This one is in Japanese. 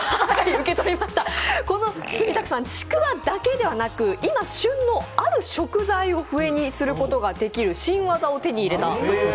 受け取りました、この住宅さん、ちくわだけでなく今、旬のある食材を笛にすることができる新技を手に入れたと。